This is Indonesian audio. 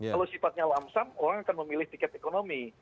kalau sifatnya lamsam orang akan memilih tiket ekonomi